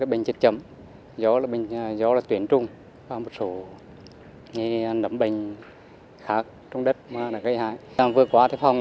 việc tiêu chết hàng loạt khiến cho cuộc sống bà con gặp rất nhiều khó khăn